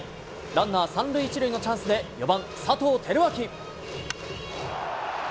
ランナー３塁１塁のチャンスで、４番佐藤輝明。